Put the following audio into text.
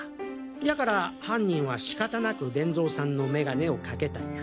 やから犯人は仕方なく勉造さんの眼鏡をかけたんや。